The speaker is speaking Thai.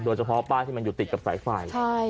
โดยเฉพาะป้ายที่มันอยู่ติดกับสายไฟ